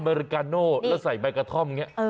อเมริกาโน่แล้วใส่แบลกาธอมเนี้ยเออ